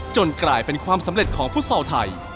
จนกลายเป็นความสำเร็จของฟุตเซาทัย